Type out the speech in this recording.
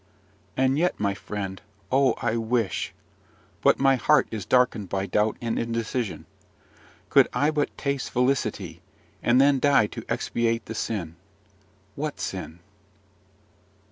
And yet, my friend, oh, I wish but my heart is darkened by doubt and indecision could I but taste felicity, and then die to expiate the sin! What sin?